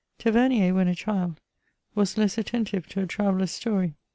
Tavemier, when a child, was less attentive to a traveller's stoiy.